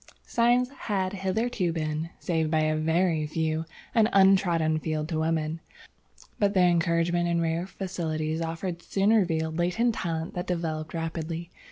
"Science had hitherto been, save by a very few, an untrodden field to women, but the encouragement and rare facilities offered soon revealed latent talent that developed rapidly.